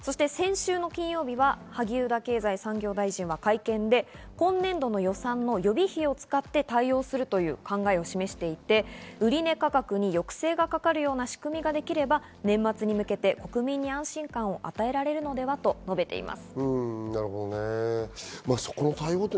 また先週金曜日、萩生田経済産業大臣が会見で今年度予算の予備費を使って対応する考えを示していて、売り値価格に抑制がかかるような仕組みができれば、年末に向けて国民に安心を与えられるのではと述べています。